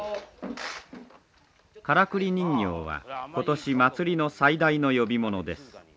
からくり人形は今年祭りの最大の呼び物です。